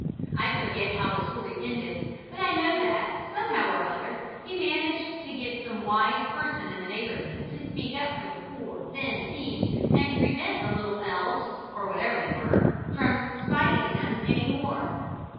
I forget how the story ended, but I know that, somehow or other, he managed to get some "wise" person in the neighbourhood to speak up for the poor, thin team, and prevent the little elves, or whatever they were, from "spiting" them any more.